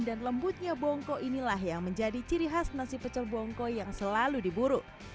dan lembutnya bongkong inilah yang menjadi ciri khas nasi pecel bongkong yang selalu diburu